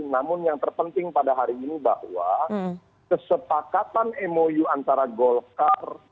namun yang terpenting pada hari ini bahwa kesepakatan mou antara golkar